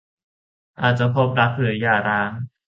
อาจพบรักหรือหย่าร้าง